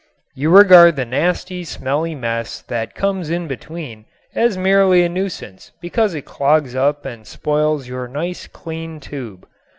You regard the nasty, smelly mess that comes in between as merely a nuisance because it clogs up and spoils your nice, clean tube.